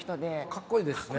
かっこいいですね。